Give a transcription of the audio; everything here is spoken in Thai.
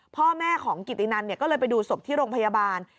พ่อแม่ของกิตินันก็เลยไปดูศพที่โรงพยาบาล